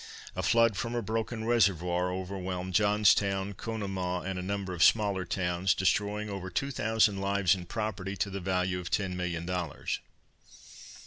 A flood from a broken reservoir overwhelmed Johnstown, Conemaugh, and a number of smaller towns, destroying over two thousand lives and property to the value of ten million dollars.